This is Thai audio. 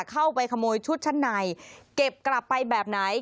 เข้าไปขโมยชุดชั้นในเก็บกลับไปแบบไหน